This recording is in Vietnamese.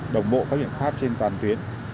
đồng bộ các biện pháp trên toàn tuyến